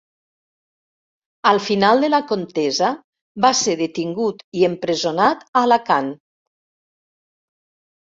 Al final de la contesa va ser detingut i empresonat a Alacant.